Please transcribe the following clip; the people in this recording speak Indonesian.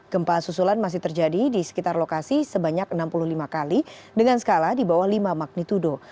gempa susulan masih terjadi di sekitar lokasi sebanyak enam puluh lima kali dengan skala di bawah lima magnitudo